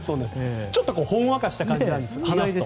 ちょっとほんわかした感じなんです。